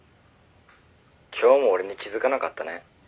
「今日も俺に気づかなかったね」